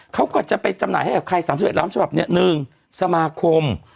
เขาก็จะไปจำหน่ายให้กับใครสามสิบเอ็ดล้านฉบับเนี้ยหนึ่งสมาคม